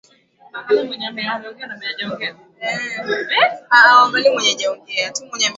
mbili gram hamsini siagi itahitajika